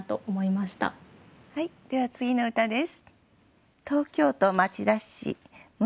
では次の歌です。